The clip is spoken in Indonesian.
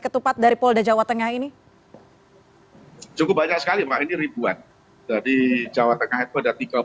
ketupat dari polda jawa tengah ini cukup banyak sekali makanya ribuan jadi jawa tengah itu ada tiga puluh lima